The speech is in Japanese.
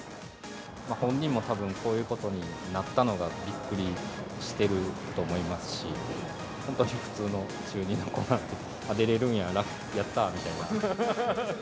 本人もたぶん、こういうことになったのがびっくりしてると思いますし、本当普通の中２の子なんで、出れるんや、やったー！みたいな。